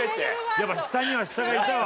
やっぱ下には下がいたわ。